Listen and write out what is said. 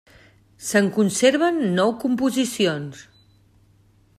Se'n conserven nou composicions.